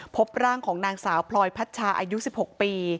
พบร่างของนางสาวพลอยพัชชาอายุ๑๖ปี